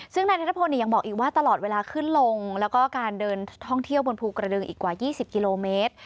ซึ่งนายนัทพลยังบอกอีกว่าตลอดเวลาขึ้นลงแล้วก็การเดินท่องเที่ยวบนภูกระดึงอีกกว่า๒๐กิโลเมตร